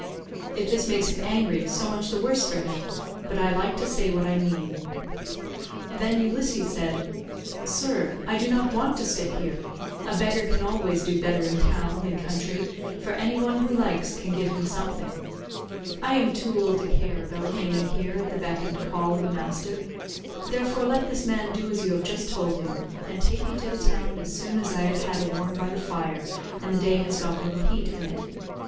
If this makes him angry so much the worse for him, but I like to say what I mean." Then Ulysses said, "Sir, I do not want to stay here; a beggar can always do better in town than country, for any one who likes can give him something. I am too old to care about remaining here at the beck and call of a master. Therefore let this man do as you have just told him, and take me to the town as soon as I have had a warm by the fire, and the day has got a little heat in it.